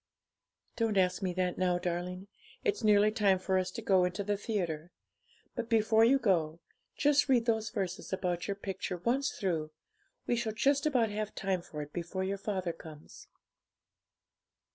'Don't ask me that now, darling; it's nearly time for us to go into the theatre. But before you go, just read those verses about your picture once through; we shall just about have time for it before your father comes.'